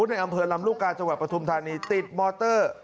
ในอำเภอลำลูกกาจังหวัดปฐุมธานีติดมอเตอร์